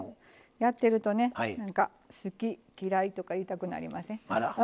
やってるとね、なんか「好き」「嫌い」とか言いたくなりません？